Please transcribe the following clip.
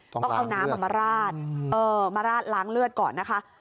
ต้องเอาน้ำมาล้างเลือดก่อนนะคะ